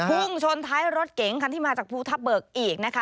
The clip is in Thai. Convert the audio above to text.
พุ่งชนท้ายรถเก๋งคันที่มาจากภูทับเบิกอีกนะคะ